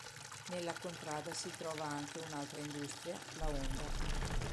Nella contrada si trova anche un'altra industria, la Honda.